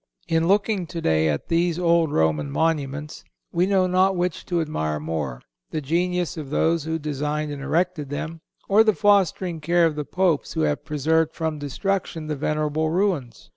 In looking today at these old Roman monuments we know not which to admire more—the genius of those who designed and erected them, or the fostering care of the Popes who have preserved from destruction the venerable ruins.